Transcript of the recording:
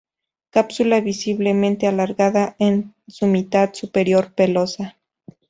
Cápsula visiblemente alargada en su mitad superior, pelosa.